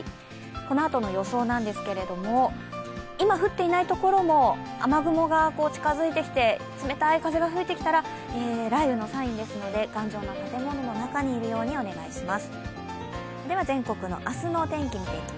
このあとの予想なんですけれども今、降っていないところも雨雲が近づいてきて冷たい風が吹いてきたら雷雨のサインですので頑丈な建物の中にいるようにお願いします。